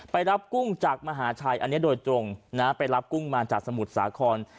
ไปรับกุ้งจากมหาชัยอันนี้โดยตรงนะไปรับกุ้งมาจากสมุทรสาคร